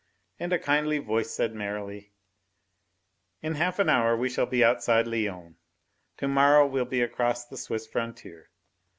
And a kindly voice said merrily: "In half an hour we shall be outside Lyons. To morrow we'll be across the Swiss frontier.